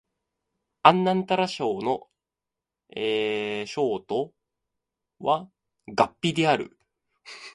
安徽省の省都は合肥である